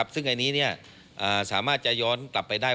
ซึ่งอันนี้สามารถจะย้อนกลับไปได้